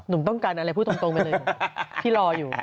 หนุ่มต้องการอะไรพูดตรงไปเลยที่รออยู่